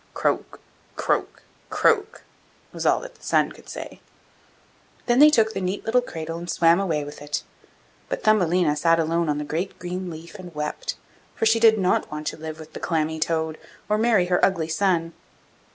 'Croak, croak, croak!' was all that the son could say. Then they took the neat little cradle and swam away with it; but Thumbelina sat alone on the great green leaf and wept, for she did not want to live with the clammy toad, or marry her ugly son.